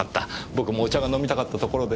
僕もお茶が飲みたかったところです！